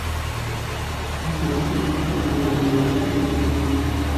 তিনি দামেস্কে পৌছে জানতে পারেন যে ফররুখশাহ গেলিলি আক্রমণ করেছেন।